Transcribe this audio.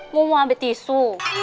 mau ambil tisu